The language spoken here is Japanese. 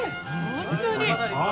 本当に！